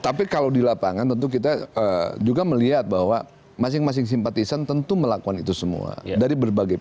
tapi kalau di lapangan tentu kita juga melihat bahwa masing masing simpatisan tentu melakukan itu semua